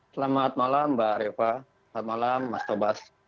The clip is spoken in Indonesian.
selamat malam mbak reva selamat malam mas tobas